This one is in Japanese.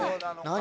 何？